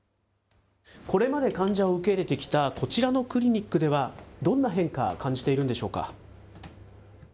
これまで患者を受け入れてきたこちらのクリニックでは、どんな変化、感じているんでしょうか。